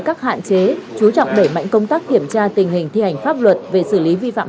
các hạn chế chú trọng đẩy mạnh công tác kiểm tra tình hình thi hành pháp luật về xử lý vi phạm